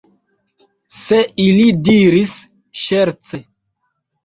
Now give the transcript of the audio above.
Se ili diris ŝerce.